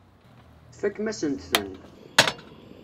Tfakem-asent-ten.